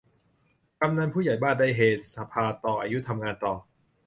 กำนันผู้ใหญ่บ้านได้เฮ สภาต่ออายุ ทำงานต่อ